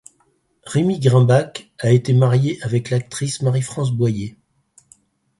Rémy Grumbach a été marié avec l'actrice Marie-France Boyer.